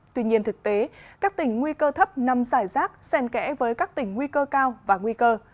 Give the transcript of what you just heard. tuy nhiên thực tế các tỉnh nguy cơ thấp nằm giải rác sen kẽ với các tỉnh nguy cơ cao và nguy cơ